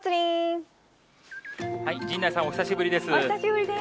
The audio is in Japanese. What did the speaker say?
陣内さん、お久しぶりです。